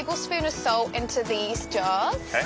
はい。